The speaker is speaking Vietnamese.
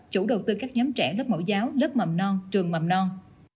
chủ đầu tư các nhóm trẻ lớp mẫu giáo lớp mầm non trường mầm non